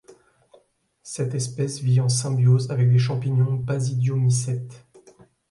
Cette espèce vie en symbiose avec des champignons basidiomycètes.